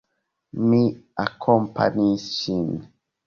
Mi akompanis ŝin.